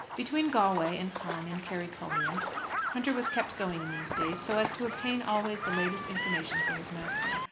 Between Galway and Cong and Kerrycullion, Hunter was kept going in these days, so as to obtain always the latest information for his master.